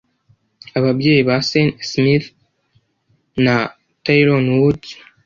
ababyeyi ba Sean Smith na Tyrone Woods